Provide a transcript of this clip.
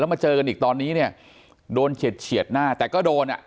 มาเจอกันอีกตอนนี้เนี่ยโดนเฉียดหน้าแต่ก็โดนอ่ะ